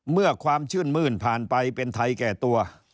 เมื่อความชื่นมื้นผ่านไปเป็นไทยแก่ตัว